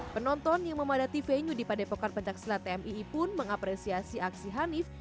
penonton yang memadati venue di padepokan pencaksilat tmii pun mengapresiasi aksi hanif